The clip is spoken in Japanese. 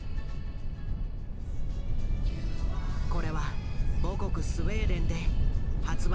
これは母国スウェーデンで発売